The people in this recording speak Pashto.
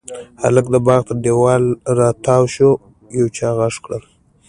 هلک د باغ تر دېواله را تاو شو، يو چا غږ کړل: